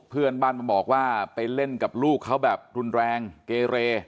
เพื่อนบ้านมาบอกว่าไปเล่นกับลูกเขาแบบรุนแรงเกเร